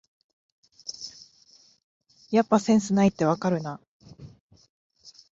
やっぱセンスないってわかるな